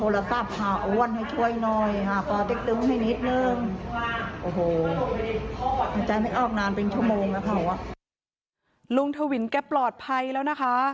ลุงทวินแกปลอดภัยแล้วนะคะ